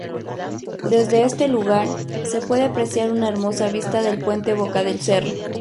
Desde este lugar, se puede apreciar una hermosa vista del "Puente Boca del Cerro".